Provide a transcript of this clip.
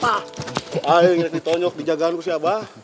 ayo yang ditunjuk di jagaan gue siapa